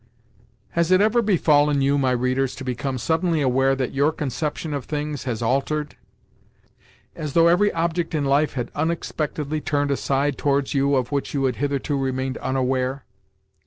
Has it ever befallen you, my readers, to become suddenly aware that your conception of things has altered—as though every object in life had unexpectedly turned a side towards you of which you had hitherto remained unaware?